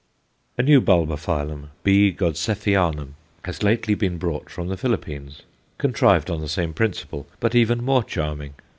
A new Bulbophyllum, B. Godseffianum, has lately been brought from the Philippines, contrived on the same principle, but even more charming.